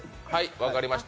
分かりました。